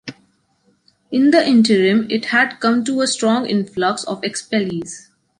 In the interim it had come to a strong influx of expellees.